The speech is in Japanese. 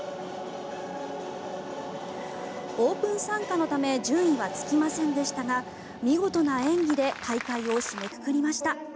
オープン参加のため順位はつきませんでしたが見事な演技で大会を締めくくりました。